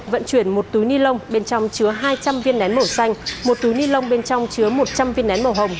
vận chuyển một túi ni lông bên trong chứa hai trăm linh viên nén màu xanh một túi ni lông bên trong chứa một trăm linh viên nén màu hồng